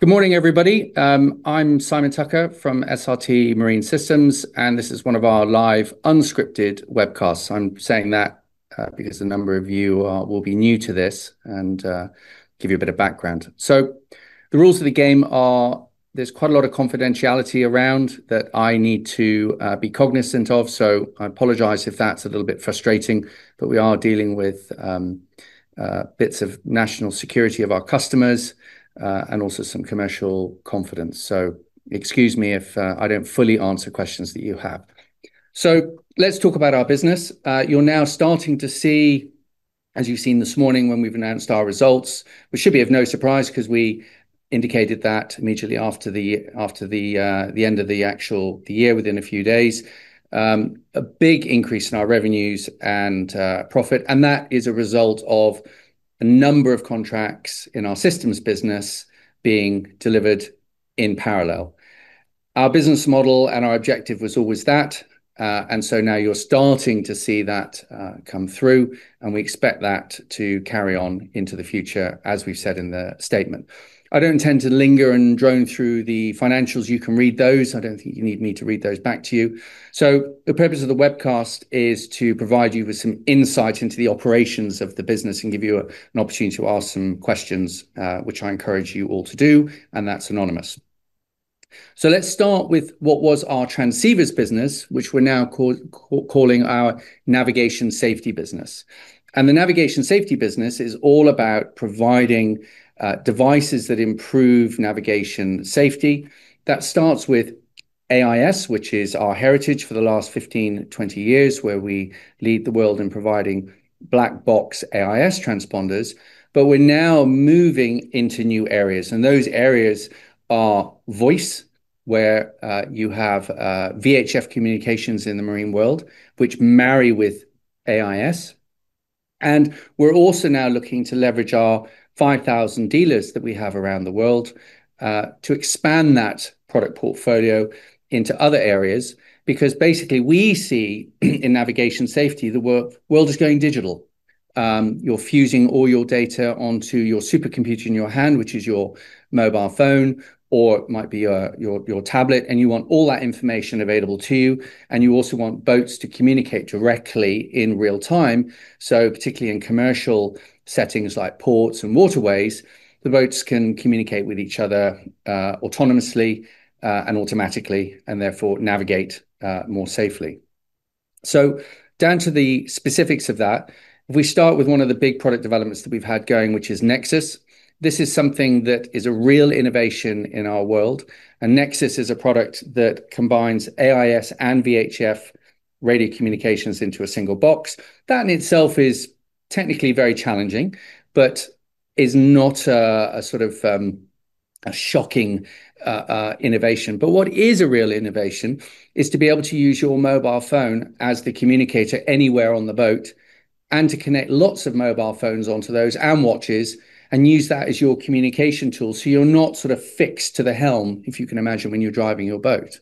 Good morning, everybody. I'm Simon Tucker from SRT Marine Systems, and this is one of our live unscripted webcasts. I'm saying that because a number of you will be new to this and give you a bit of background. The rules of the game are there's quite a lot of confidentiality around that I need to be cognizant of, so I apologize if that's a little bit frustrating, but we are dealing with bits of national security of our customers and also some commercial confidence, so excuse me if I don't fully answer questions that you have. Let's talk about our business. You're now starting to see, as you've seen this morning when we've announced our results, which should be of no surprise because we indicated that immediately after the end of the actual year within a few days, a big increase in our revenues and profit, and that is a result of a number of contracts in our systems business being delivered in parallel. Our business model and our objective was always that, and now you're starting to see that come through, and we expect that to carry on into the future, as we've said in the statement. I don't intend to linger and drone through the financials; you can read those. I don't think you need me to read those back to you. The purpose of the webcast is to provide you with some insight into the operations of the business and give you an opportunity to ask some questions, which I encourage you all to do, and that's anonymous. Let's start with what was our transceivers business, which we're now calling our navigation safety business. The navigation safety business is all about providing devices that improve navigation safety. That starts with AIS, which is our heritage for the last 15, 20 years, where we lead the world in providing black box AIS transponders, but we're now moving into new areas, and those areas are voice, where you have VHF communications in the marine world, which marry with AIS, and we're also now looking to leverage our 5,000 dealers that we have around the world to expand that product portfolio into other areas because basically we see in navigation safety the world is going digital. You're fusing all your data onto your supercomputer in your hand, which is your mobile phone, or it might be your tablet, and you want all that information available to you, and you also want boats to communicate directly in real time, particularly in commercial settings like ports and waterways. The boats can communicate with each other autonomously and automatically, and therefore navigate more safely. Down to the specifics of that, we start with one of the big product developments that we've had going, which is NEXUS. This is something that is a real innovation in our world, and NEXUS is a product that combines AIS and VHF radio communications into a single box. That in itself is technically very challenging, but is not a sort of shocking innovation. What is a real innovation is to be able to use your mobile phone as the communicator anywhere on the boat and to connect lots of mobile phones onto those and watches and use that as your communication tool, so you're not sort of fixed to the helm, if you can imagine, when you're driving your boat.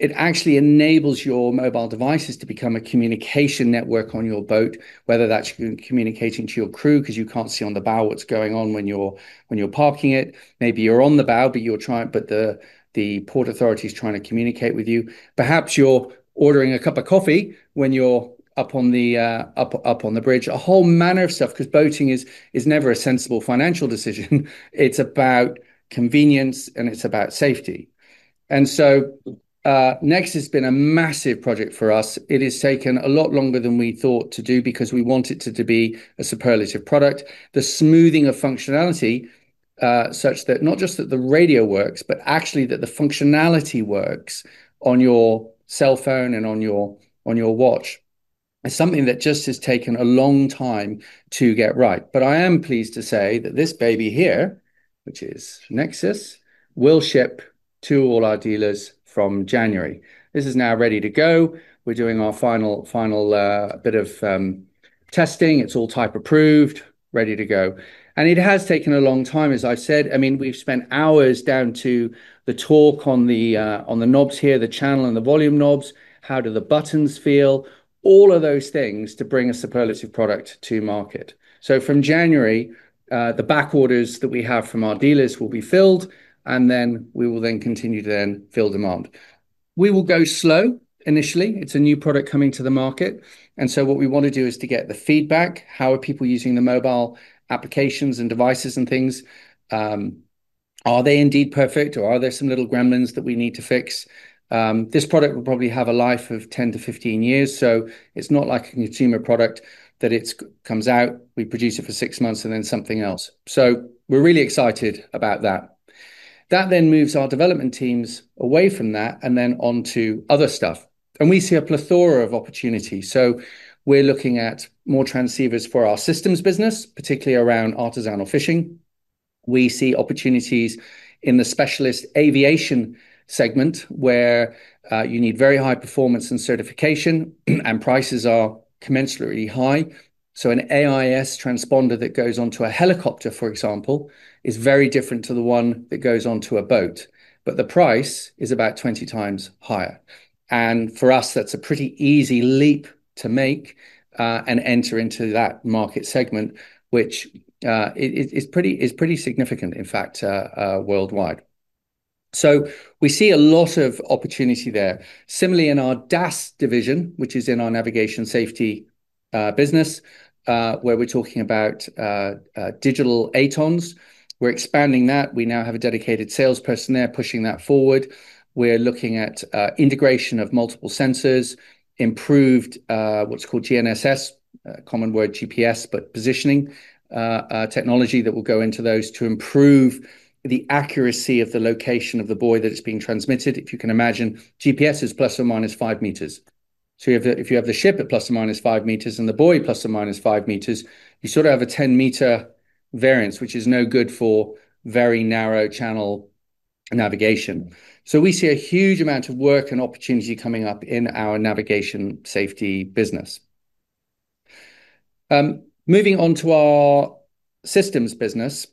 It actually enables your mobile devices to become a communication network on your boat, whether that's communicating to your crew because you can't see on the bow what's going on when you're parking it. Maybe you're on the bow, but the port authority is trying to communicate with you. Perhaps you're ordering a cup of coffee when you're up on the bridge. A whole manner of stuff because boating is never a sensible financial decision. It's about convenience, and it's about safety. NEXUS has been a massive project for us. It has taken a lot longer than we thought to do because we wanted it to be a superlative product. The smoothing of functionality, such that not just that the radio works, but actually that the functionality works on your cell phone and on your watch is something that just has taken a long time to get right. I am pleased to say that this baby here, which is NEXUS, will ship to all our dealers from January. This is now ready to go. We're doing our final, final bit of testing. It's all type approved, ready to go. It has taken a long time, as I've said. We've spent hours down to the talk on the knobs here, the channel and the volume knobs, how do the buttons feel, all of those things to bring a superlative product to market. From January, the back orders that we have from our dealers will be filled, and then we will continue to fill demand. We will go slow initially. It's a new product coming to the market, and what we want to do is to get the feedback. How are people using the mobile applications and devices and things? Are they indeed perfect, or are there some little gremlins that we need to fix? This product will probably have a life of 10-15 years, so it's not like a consumer product that comes out, we produce it for six months, and then something else. We're really excited about that. That then moves our development teams away from that and onto other stuff. We see a plethora of opportunities. We're looking at more transceivers for our systems business, particularly around artisanal fishing. We see opportunities in the specialist aviation segment where you need very high performance and certification, and prices are commensurately high. An AIS transponder that goes onto a helicopter, for example, is very different to the one that goes onto a boat, but the price is about 20x higher. For us, that's a pretty easy leap to make and enter into that market segment, which is pretty significant, in fact, worldwide. We see a lot of opportunity there. Similarly, in our DAS division, which is in our navigation safety business, where we're talking about digital ATONs, we're expanding that. We now have a dedicated salesperson there pushing that forward. We're looking at integration of multiple sensors, improved what's called GNSS, common word GPS, but positioning technology that will go into those to improve the accuracy of the location of the buoy that is being transmitted. If you can imagine, GPS is ±5 m. If you have the ship at ±5 m and the buoy ±5 m, you sort of have a 10 m variance, which is no good for very narrow channel navigation. We see a huge amount of work and opportunity coming up in our navigation safety business. Moving on to our systems business,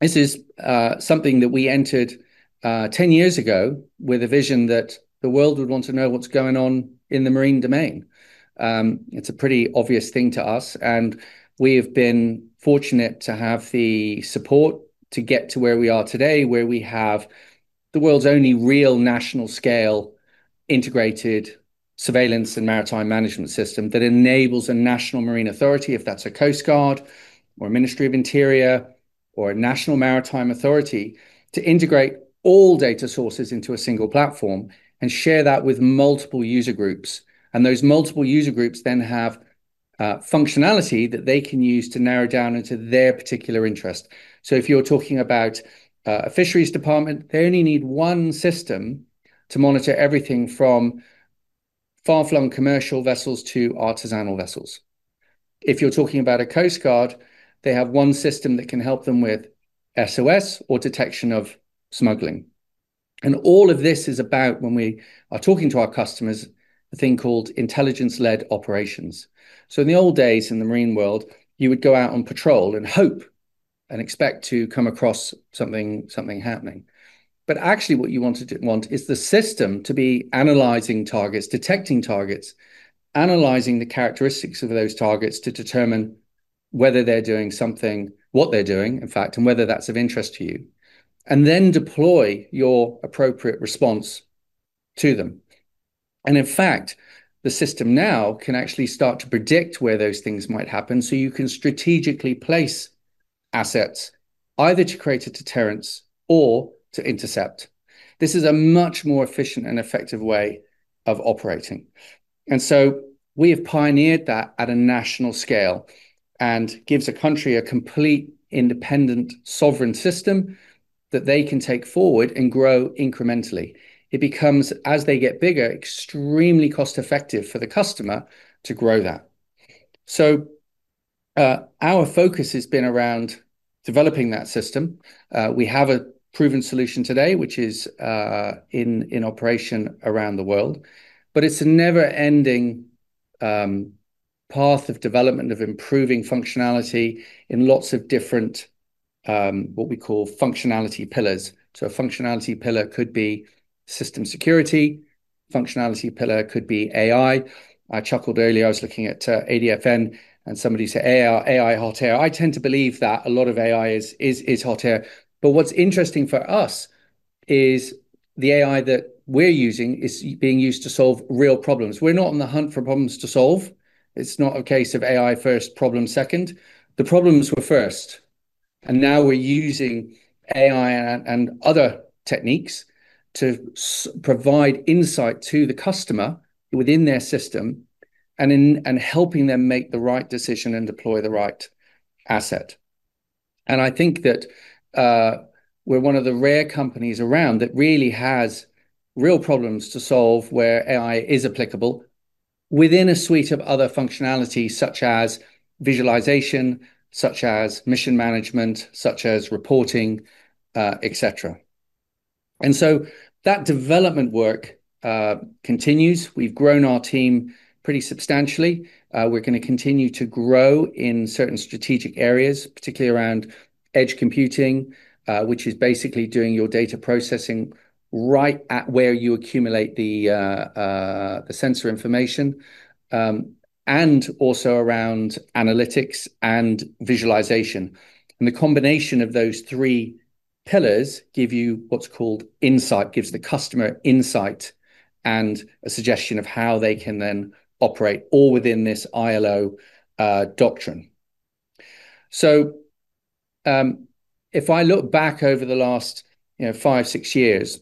this is something that we entered 10 years ago with a vision that the world would want to know what's going on in the marine domain. It's a pretty obvious thing to us, and we have been fortunate to have the support to get to where we are today, where we have the world's only real national scale integrated surveillance and maritime management system that enables a national marine authority, if that's a Coast Guard or a Ministry of Interior or a national maritime authority, to integrate all data sources into a single platform and share that with multiple user groups. Those multiple user groups then have functionality that they can use to narrow down into their particular interest. If you're talking about a fisheries department, they only need one system to monitor everything from far-flung commercial vessels to artisanal vessels. If you're talking about a Coast Guard, they have one system that can help them with SOS or detection of smuggling. All of this is about, when we are talking to our customers, the thing called intelligence-led operations. In the old days in the marine world, you would go out on patrol and hope and expect to come across something happening. Actually, what you want is the system to be analyzing targets, detecting targets, analyzing the characteristics of those targets to determine whether they're doing something, what they're doing, in fact, and whether that's of interest to you, and then deploy your appropriate response to them. In fact, the system now can actually start to predict where those things might happen, so you can strategically place assets either to create a deterrence or to intercept. This is a much more efficient and effective way of operating. We have pioneered that at a national scale and it gives a country a complete independent sovereign system that they can take forward and grow incrementally. It becomes, as they get bigger, extremely cost-effective for the customer to grow that. Our focus has been around developing that system. We have a proven solution today, which is in operation around the world, but it's a never-ending path of development of improving functionality in lots of different, what we call functionality pillars. A functionality pillar could be system security, a functionality pillar could be AI. I chuckled earlier, I was looking at ADFN and somebody said, "AI hot air." I tend to believe that. A lot of AI is hot air, but what's interesting for us is the AI that we're using is being used to solve real problems. We're not on the hunt for problems to solve. It's not a case of AI first, problems second. The problems were first, and now we're using AI and other techniques to provide insight to the customer within their system and helping them make the right decision and deploy the right asset. I think that we're one of the rare companies around that really has real problems to solve where AI is applicable within a suite of other functionalities, such as visualization, such as mission management, such as reporting, et cetera. That development work continues. We've grown our team pretty substantially. We're going to continue to grow in certain strategic areas, particularly around edge computing, which is basically doing your data processing right at where you accumulate the sensor information, and also around analytics and visualization. The combination of those three pillars gives you what's called insight, gives the customer insight and a suggestion of how they can then operate all within this ILO doctrine. If I look back over the last five, six years,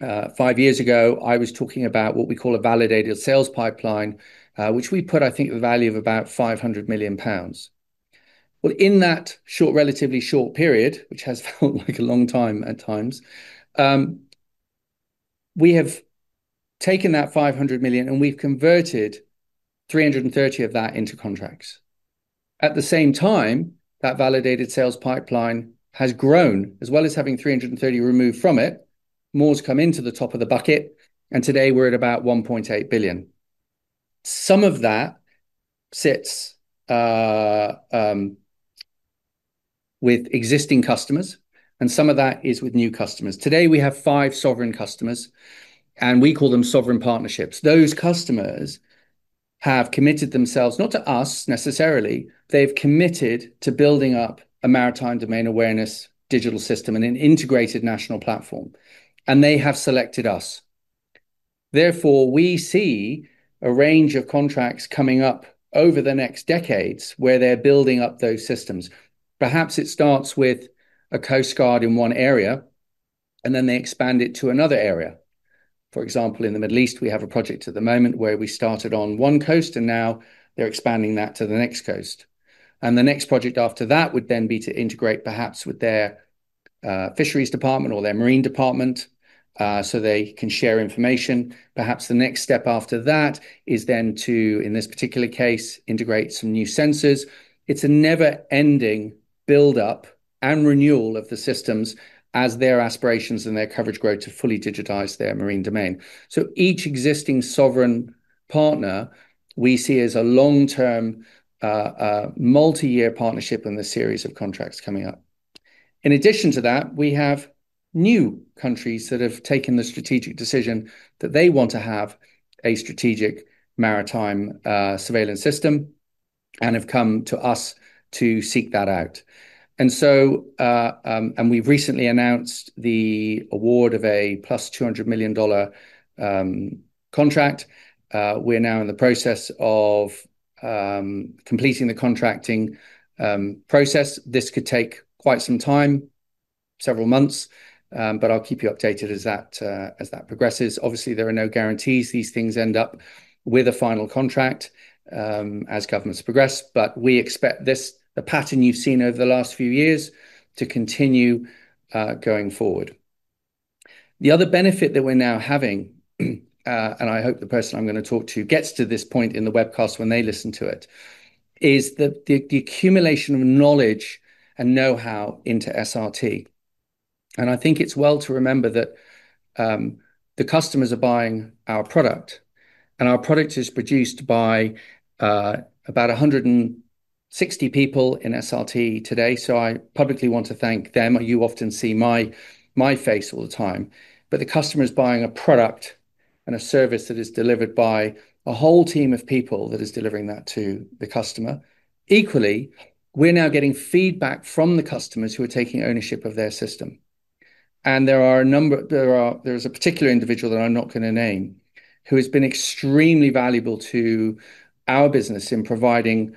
five years ago, I was talking about what we call a validated sales pipeline, which we put, I think, the value of about 500 million pounds. In that relatively short period, which has felt like a long time at times, we have taken that 500 million and we've converted 330 million of that into contracts. At the same time, that validated sales pipeline has grown, as well as having 330 million removed from it. More's come into the top of the bucket, and today we're at about 1.8 billion. Some of that sits with existing customers, and some of that is with new customers. Today we have five sovereign customers, and we call them sovereign partnerships. Those customers have committed themselves, not to us necessarily, they've committed to building up a maritime domain awareness digital system and an integrated national platform, and they have selected us. Therefore, we see a range of contracts coming up over the next decades where they're building up those systems. Perhaps it starts with a Coast Guard in one area, and they expand it to another area. For example, in the Middle East, we have a project at the moment where we started on one coast and now they're expanding that to the next coast. The next project after that would then be to integrate perhaps with their fisheries department or their marine department, so they can share information. Perhaps the next step after that is then to, in this particular case, integrate some new sensors. It's a never-ending buildup and renewal of the systems as their aspirations and their coverage grow to fully digitize their marine domain. Each existing sovereign partner we see as a long-term, multi-year partnership in the series of contracts coming up. In addition to that, we have new countries that have taken the strategic decision that they want to have a strategic maritime surveillance system and have come to us to seek that out. We've recently announced the award of a $200+ million contract. We're now in the process of completing the contracting process. This could take quite some time, several months, but I'll keep you updated as that progresses. Obviously, there are no guarantees these things end up with a final contract as governments progress, but we expect this, the pattern you've seen over the last few years, to continue going forward. The other benefit that we're now having, and I hope the person I'm going to talk to gets to this point in the webcast when they listen to it, is the accumulation of knowledge and know-how into SRT. I think it's well to remember that the customers are buying our product, and our product is produced by about 160 people in SRT today, so I publicly want to thank them. You often see my face all the time, but the customer's buying a product and a service that is delivered by a whole team of people that is delivering that to the customer. Equally, we're now getting feedback from the customers who are taking ownership of their system. There is a particular individual that I'm not going to name, who has been extremely valuable to our business in providing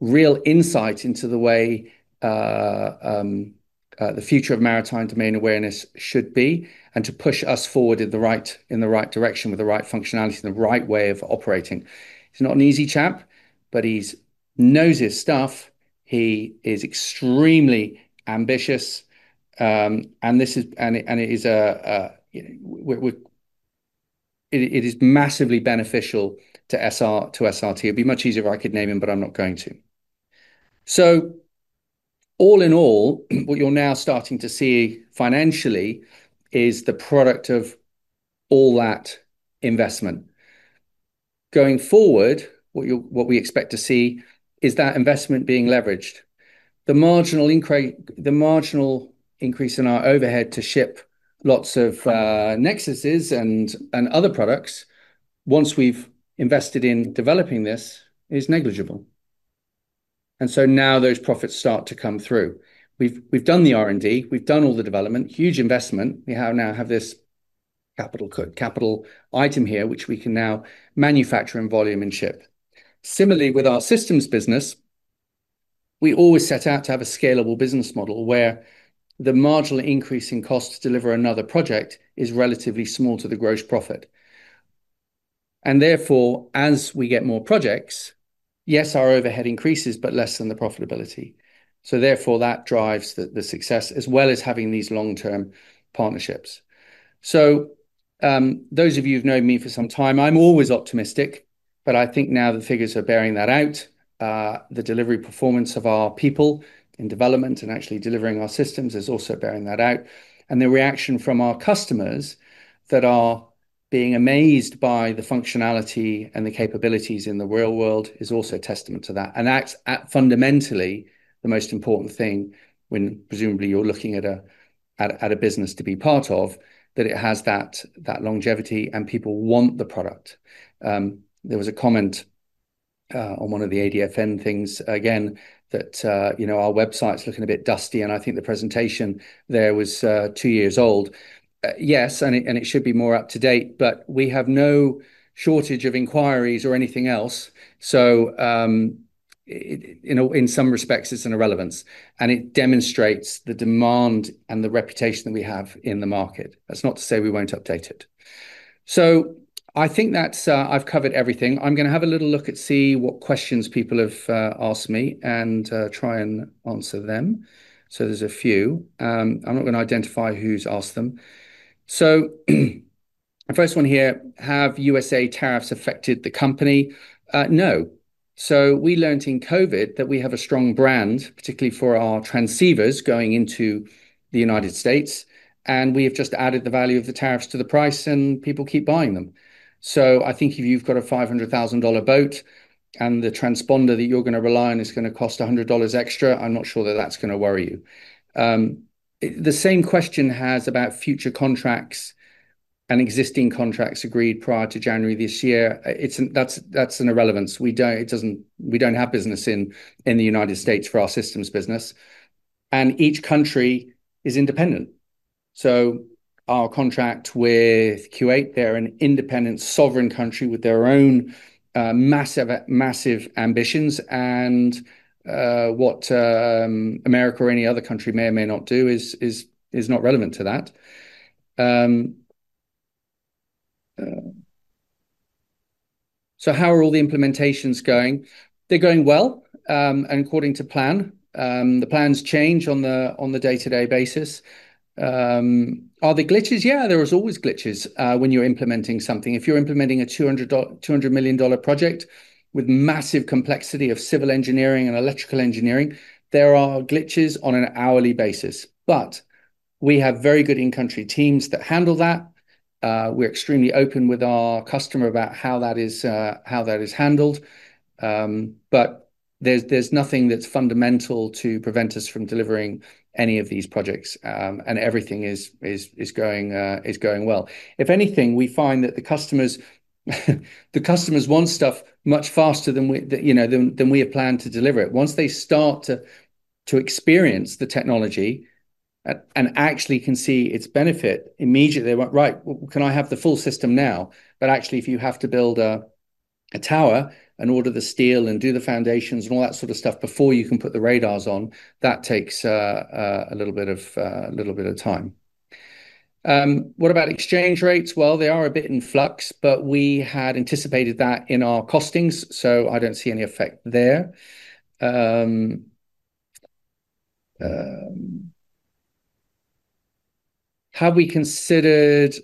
real insight into the way the future of maritime domain awareness should be and to push us forward in the right direction with the right functionality and the right way of operating. He's not an easy chap, but he knows his stuff. He is extremely ambitious, and it is massively beneficial to SRT. It'd be much easier if I could name him, but I'm not going to. All in all, what you're now starting to see financially is the product of all that investment. Going forward, what we expect to see is that investment being leveraged. The marginal increase in our overhead to ship lots of NEXUS transceivers and other products, once we've invested in developing this, is negligible. Now those profits start to come through. We've done the R&D, we've done all the development, huge investment. We now have this capital item here, which we can now manufacture in volume and ship. Similarly, with our systems business, we always set out to have a scalable business model where the marginal increase in cost to deliver another project is relatively small to the gross profit. Therefore, as we get more projects, yes, our overhead increases, but less than the profitability. Therefore, that drives the success, as well as having these long-term partnerships. Those of you who've known me for some time, I'm always optimistic, but I think now the figures are bearing that out. The delivery performance of our people in development and actually delivering our systems is also bearing that out. The reaction from our customers that are being amazed by the functionality and the capabilities in the real world is also testament to that. That's fundamentally the most important thing when presumably you're looking at a business to be part of, that it has that longevity and people want the product. There was a comment on one of the ADFN things again that, you know, our website's looking a bit dusty and I think the presentation there was two years old. Yes, and it should be more up to date, but we have no shortage of inquiries or anything else. In some respects, it's an irrelevance. It demonstrates the demand and the reputation that we have in the market. That's not to say we won't update it. I think that's I've covered everything. I'm going to have a little look at see what questions people have asked me and try and answer them. There's a few. I'm not going to identify who's asked them. The first one here, have U.S.A. tariffs affected the company? No. We learned in COVID that we have a strong brand, particularly for our transceivers going into the United States, and we have just added the value of the tariffs to the price and people keep buying them. I think if you've got a $500,000 boat and the transponder that you're going to rely on is going to cost $100 extra, I'm not sure that that's going to worry you. The same question has about future contracts and existing contracts agreed prior to January this year. That's an irrelevance. We don't have business in the United States for our systems business. Each country is independent. Our contract with Kuwait, they're an independent sovereign country with their own massive ambitions, and what America or any other country may or may not do is not relevant to that. How are all the implementations going? They're going well, and according to plan. The plans change on a day-to-day basis. Are there glitches? Yeah, there are always glitches when you're implementing something. If you're implementing a $200 million project with massive complexity of civil engineering and electrical engineering, there are glitches on an hourly basis. We have very good in-country teams that handle that. We're extremely open with our customer about how that is handled. There's nothing that's fundamental to prevent us from delivering any of these projects, and everything is going well. If anything, we find that the customers want stuff much faster than we have planned to deliver it. Once they start to experience the technology and actually can see its benefit, immediately they're like, "Right, can I have the full system now?" Actually, if you have to build a tower and order the steel and do the foundations and all that sort of stuff before you can put the radars on, that takes a little bit of time. What about exchange rates? They are a bit in flux, but we had anticipated that in our costings, so I don't see any effect there. Have we considered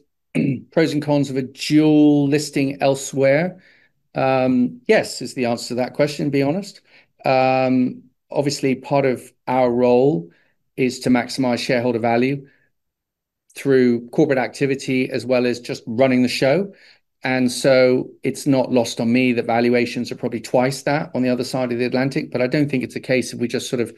pros and cons of a dual listing elsewhere? Yes, is the answer to that question, to be honest. Obviously, part of our role is to maximize shareholder value through corporate activity as well as just running the show. It's not lost on me that valuations are probably twice that on the other side of the Atlantic, but I don't think it's a case of we just sort of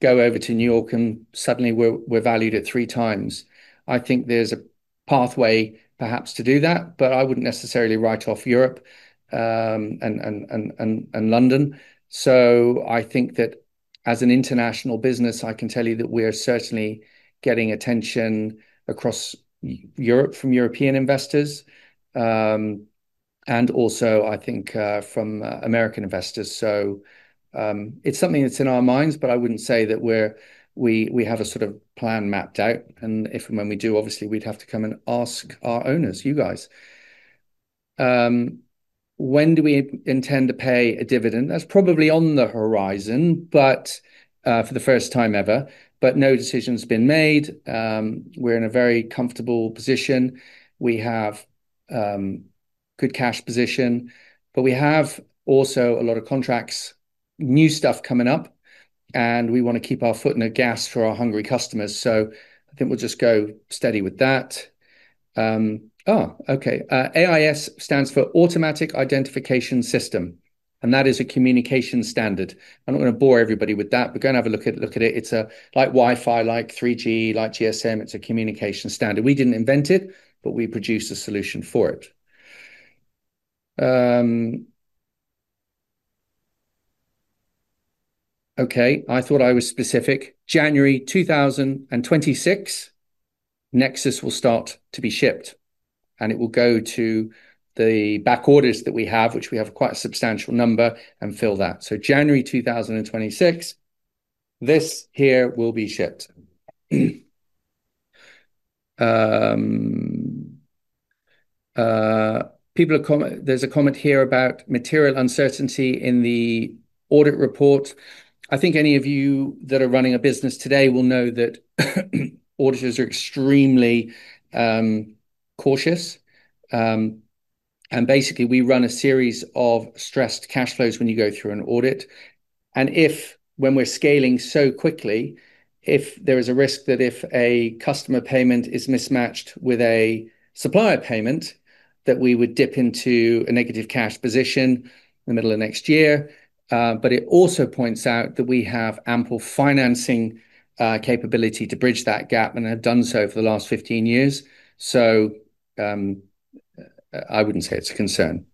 go over to New York and suddenly we're valued at 3x. I think there's a pathway perhaps to do that, but I wouldn't necessarily write off Europe and London. I think that as an international business, I can tell you that we are certainly getting attention across Europe from European investors and also, I think, from American investors. It's something that's in our minds, but I wouldn't say that we have a sort of plan mapped out. If and when we do, obviously, we'd have to come and ask our owners, you guys. When do we intend to pay a dividend? That's probably on the horizon, for the first time ever, but no decision's been made. We're in a very comfortable position. We have a good cash position, but we have also a lot of contracts, new stuff coming up, and we want to keep our foot on the gas for our hungry customers. I think we'll just go steady with that. Okay. AIS stands for Automatic Identification System, and that is a communication standard. I'm not going to bore everybody with that, but go and have a look at it. It's like Wi-Fi, like 3G, like GSM. It's a communication standard. We didn't invent it, but we produced a solution for it. Okay, I thought I was specific. January 2026, NEXUS will start to be shipped, and it will go to the back orders that we have, which we have quite a substantial number, and fill that. January 2026, this here will be shipped. There's a comment here about material uncertainty in the audit report. I think any of you that are running a business today will know that auditors are extremely cautious, and basically, we run a series of stressed cash flows when you go through an audit. If, when we're scaling so quickly, there is a risk that if a customer payment is mismatched with a supplier payment, we would dip into a negative cash position in the middle of next year. It also points out that we have ample financing capability to bridge that gap and have done so for the last 15 years. I wouldn't say it's a concern.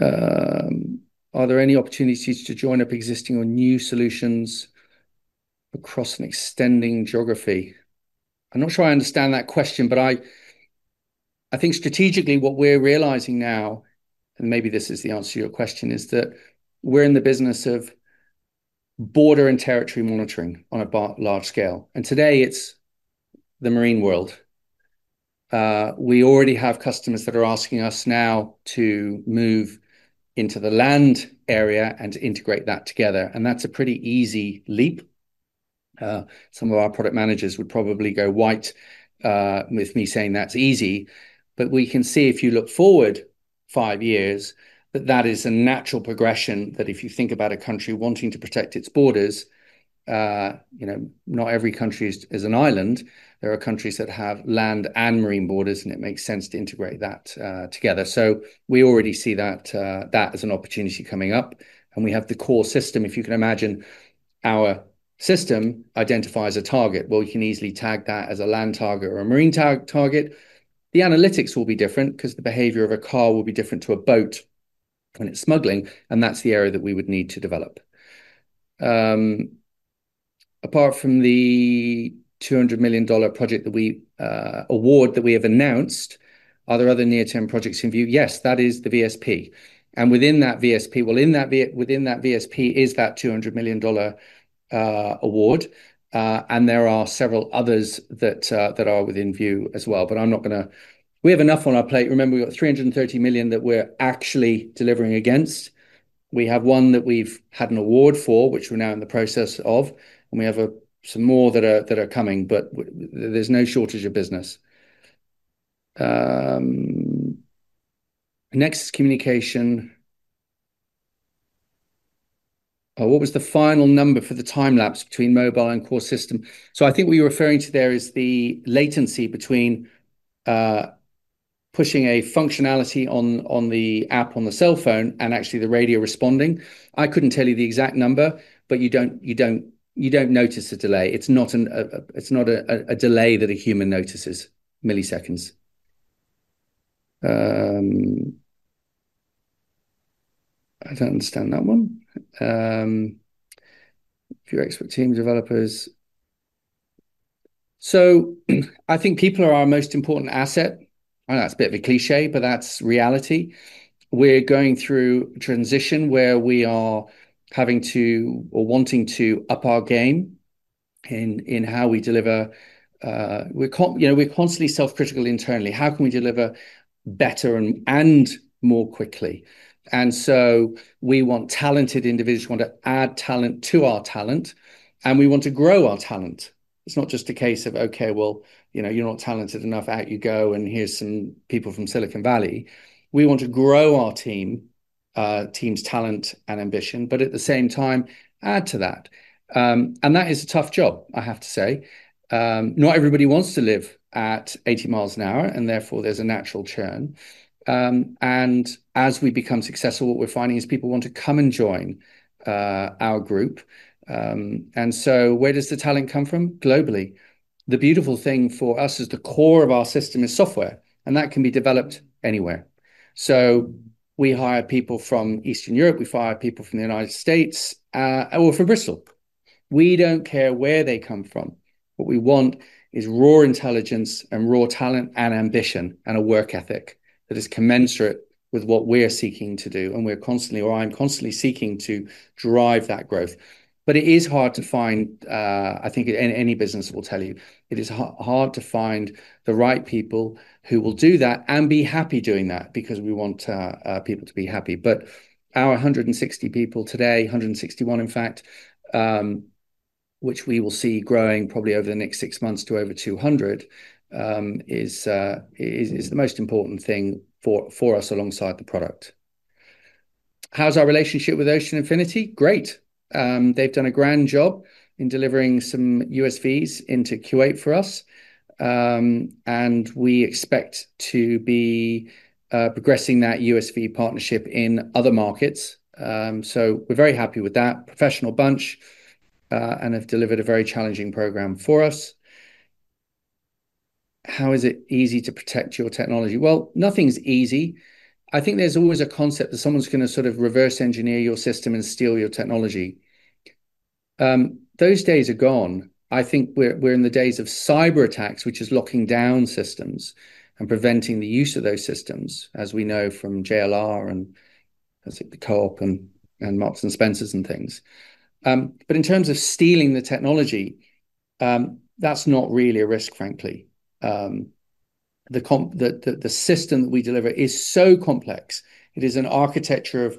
Are there any opportunities to join up existing or new solutions across an extending geography? I'm not sure I understand that question, but I think strategically what we're realizing now, and maybe this is the answer to your question, is that we're in the business of border and territory monitoring on a large scale. Today, it's the marine world. We already have customers that are asking us now to move into the land area and to integrate that together, and that's a pretty easy leap. Some of our product managers would probably go white with me saying that's easy, but we can see if you look forward five years, that that is a natural progression that if you think about a country wanting to protect its borders, you know, not every country is an island. There are countries that have land and marine borders, and it makes sense to integrate that together. We already see that as an opportunity coming up, and we have the core system. If you can imagine our system identifies a target, you can easily tag that as a land target or a marine target. The analytics will be different because the behavior of a car will be different to a boat when it's smuggling, and that's the area that we would need to develop. Apart from the $200 million project that we award that we have announced, are there other near-term projects in view? Yes, that is the VSP. Within that VSP is that $200 million award, and there are several others that are within view as well. We have enough on our plate. Remember, we've got $330 million that we're actually delivering against. We have one that we've had an award for, which we're now in the process of, and we have some more that are coming, but there's no shortage of business. Next, communication. What was the final number for the time lapse between mobile and core system? I think what you're referring to there is the latency between pushing a functionality on the app on the cell phone and actually the radio responding. I couldn't tell you the exact number, but you don't notice a delay. It's not a delay that a human notices, milliseconds. I don't understand that one. If you're expert team developers? I think people are our most important asset. I know that's a bit of a cliché, but that's reality. We're going through a transition where we are having to or wanting to up our game in how we deliver. We're constantly self-critical internally. How can we deliver better and more quickly? We want talented individuals, we want to add talent to our talent, and we want to grow our talent. It's not just a case of, "Okay, you know you're not talented enough, out you go, and here's some people from Silicon Valley." We want to grow our team's talent and ambition, but at the same time, add to that. That is a tough job, I have to say. Not everybody wants to live at 80 mi an hour, and therefore, there's a natural churn. As we become successful, what we're finding is people want to come and join our group. Where does the talent come from? Globally. The beautiful thing for us is the core of our system is software, and that can be developed anywhere. We hire people from Eastern Europe, we hire people from the United States, or from Bristol. We don't care where they come from. What we want is raw intelligence and raw talent and ambition and a work ethic that is commensurate with what we're seeking to do, and we're constantly, or I'm constantly seeking to drive that growth. It is hard to find, I think any business will tell you, it is hard to find the right people who will do that and be happy doing that because we want people to be happy. Our 160 people today, 161 in fact, which we will see growing probably over the next six months to over 200, is the most important thing for us alongside the product. How's our relationship with Ocean Infinity? Great. They've done a grand job in delivering some USVs into Kuwait for us, and we expect to be progressing that USV partnership in other markets. We're very happy with that. Professional bunch and have delivered a very challenging program for us. Is it easy to protect your technology? Nothing's easy. I think there's always a concept that someone's going to sort of reverse engineer your system and steal your technology. Those days are gone. We're in the days of cyber attacks, which is locking down systems and preventing the use of those systems, as we know from JLR and, let's say, [the Co-op] and Marks & Spencers and things. In terms of stealing the technology, that's not really a risk, frankly. The system that we deliver is so complex. It is an architecture, a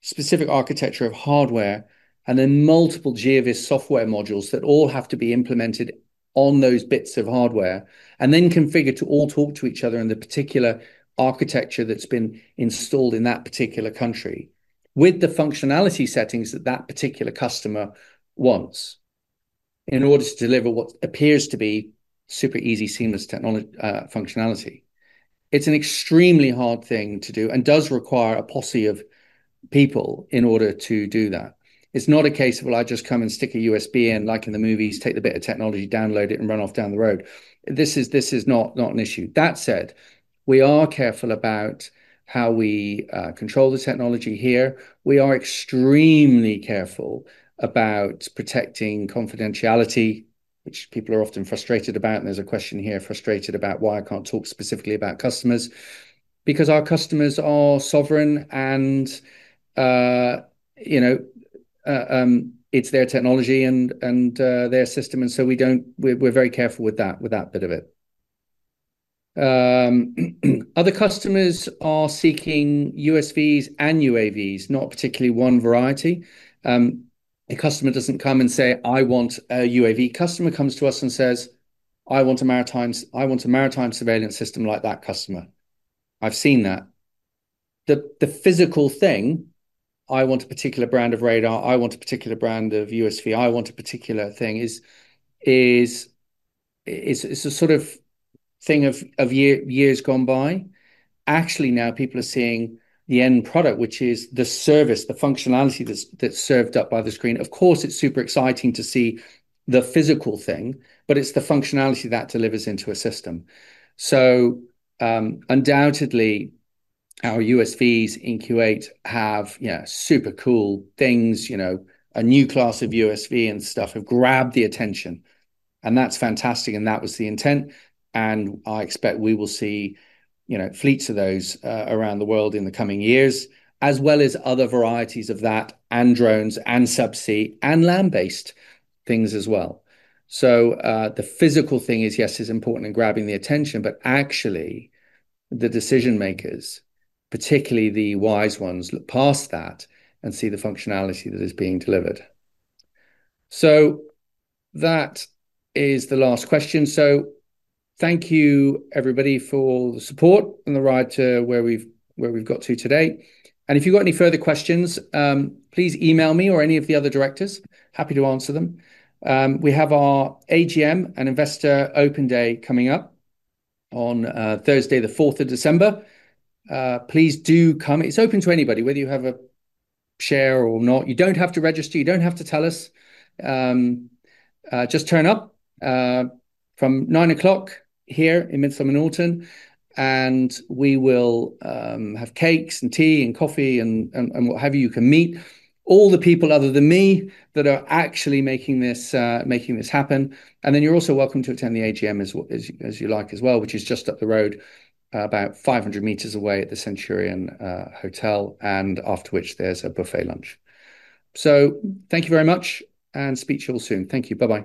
specific architecture of hardware and then multiple GeoVS software modules that all have to be implemented on those bits of hardware and then configured to all talk to each other in the particular architecture that's been installed in that particular country with the functionality settings that that particular customer wants in order to deliver what appears to be super easy, seamless functionality. It's an extremely hard thing to do and does require a posse of people in order to do that. It's not a case of, I just come and stick a USB in like in the movies, take the bit of technology, download it, and run off down the road. This is not an issue. That said, we are careful about how we control the technology here. We are extremely careful about protecting confidentiality, which people are often frustrated about. There's a question here, frustrated about why I can't talk specifically about customers because our customers are sovereign and it's their technology and their system. We're very careful with that bit of it. Other customers are seeking USVs and UAVs, not particularly one variety. A customer doesn't come and say, "I want a UAV." A customer comes to us and says, "I want a maritime surveillance system like that customer." I've seen that. The physical thing, "I want a particular brand of radar, I want a particular brand of USV, I want a particular thing," is a sort of thing of years gone by. Actually, now people are seeing the end product, which is the service, the functionality that's served up by the screen. Of course, it's super exciting to see the physical thing, but it's the functionality that delivers into a system. Undoubtedly, our USVs in Kuwait have super cool things. A new class of USV and stuff have grabbed the attention, and that's fantastic, and that was the intent. I expect we will see fleets of those around the world in the coming years, as well as other varieties of that, and drones, and subsea, and land-based things as well. The physical thing is, yes, it's important in grabbing the attention, but actually, the decision makers, particularly the wise ones, look past that and see the functionality that is being delivered. That is the last question. Thank you, everybody, for the support and the ride to where we've got to today. If you've got any further questions, please email me or any of the other directors. Happy to answer them. We have our AGM and Investor Open Day coming up on Thursday, the 4th of December. Please do come. It's open to anybody, whether you have a share or not. You don't have to register. You don't have to tell us. Just turn up from 9:00 A.M. here in Midtown Manhattan, and we will have cakes and tea and coffee and what have you. You can meet all the people other than me that are actually making this happen. You're also welcome to attend the AGM as you like as well, which is just up the road, about 500 meters away at the Centurion Hotel, and after which there's a buffet lunch. Thank you very much, and speak to you all soon. Thank you. Bye-bye.